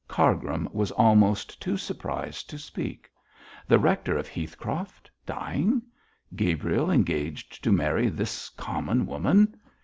Cargrim was almost too surprised to speak. The rector of Heathcroft dying; Gabriel engaged to marry this common woman.